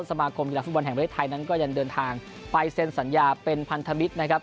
สมาคมกีฬาฟุตบอลแห่งประเทศไทยนั้นก็ยังเดินทางไปเซ็นสัญญาเป็นพันธมิตรนะครับ